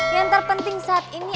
yang terpenting saat ini